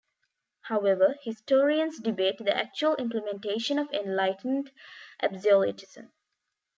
However, historians debate the actual implementation of enlightened absolutism.